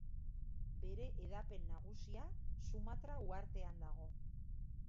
Bere hedapen nagusia Sumatra uhartean dago.